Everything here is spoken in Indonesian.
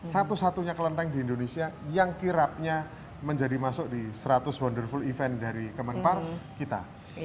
satu satunya kelenteng di indonesia yang kirapnya menjadi masuk di seratus wonderful event dari kemenpark kita